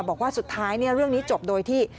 บอกว่าสุดท้ายเรื่องนี้จบโดยที่